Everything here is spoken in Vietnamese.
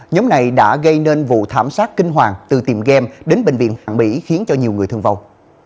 nhóm này đã gây nên vụ thảm sát kinh hoàng từ tiệm game đến bệnh viện phòng cửa khẩu mỹ khiến cho nhiều người thương vong